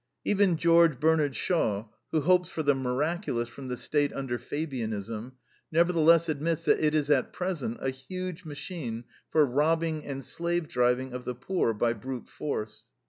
Even George Bernard Shaw, who hopes for the miraculous from the State under Fabianism, nevertheless admits that "it is at present a huge machine for robbing and slave driving of the poor by brute force."